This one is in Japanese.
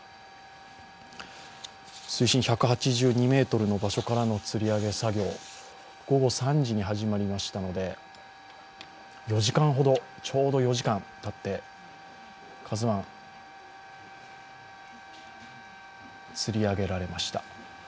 水深１８２ｍの場所からのつり上げ作業午後３時に始まりましたのでちょうど４時間たって「ＫＡＺＵⅠ」、つり上げられました。